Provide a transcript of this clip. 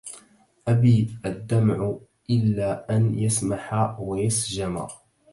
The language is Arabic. أبى الدمع إلا أن يسح ويسجما